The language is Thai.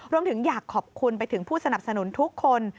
รวมถึงอยากขอบคุณไปถึงผู้สนับสนุนทุกคน